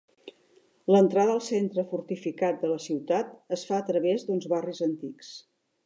L'entrada al centre fortificat de la ciutat es fa a traves d'uns barris antics.